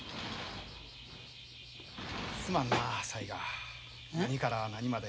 すまんな雑賀何から何まで。